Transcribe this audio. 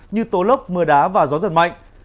như tố lốc mưa đá và gió giật mạnh